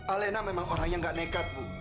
alena memang orang yang gak nekat bu